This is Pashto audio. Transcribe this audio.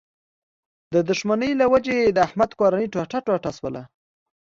د دوښمنۍ له و جې د احمد کورنۍ ټوټه ټوټه شوله.